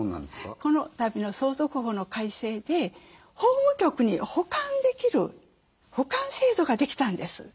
このたびの相続法の改正で法務局に保管できる保管制度ができたんです。